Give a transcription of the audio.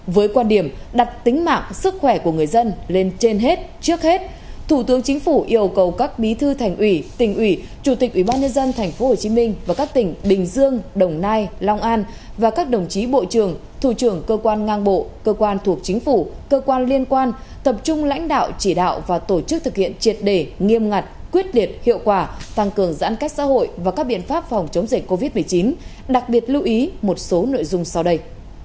với quan điểm đặt tính mạng sức khỏe của người dân lên trên hết trước hết thủ tướng chính phủ yêu cầu các bí thư thành ủy tỉnh ủy chủ tịch ubnd tp hcm và các tỉnh bình dương đồng nai long an và các đồng chí bộ trưởng thủ trưởng cơ quan ngang bộ cơ quan thuộc chính phủ cơ quan liên quan tập trung lãnh đạo chỉ đạo và tổ chức thực hiện triệt đề nghiêm ngặt quyết liệt hiệu quả tăng cường giãn cách xã hội và các biện pháp phòng chống dịch covid một mươi chín đặc biệt lưu ý một số nội dung sau đây